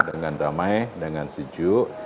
dengan ramai dengan sejuk